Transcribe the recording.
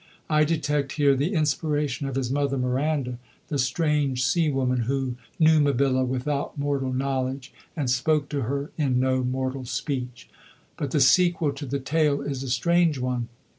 I detect here the inspiration of his mother Miranda, the strange sea woman who knew Mabilla without mortal knowledge and spoke to her in no mortal speech. But the sequel to the tale is a strange one.